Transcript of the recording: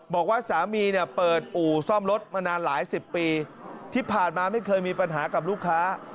บอกว่าสามีเนี่ยเปิดอู่ซ่อมรถมานานหลายสิบปีที่ผ่านมาไม่เคยมีปัญหากับลูกค้า